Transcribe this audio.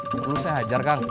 perlu saya hajar kang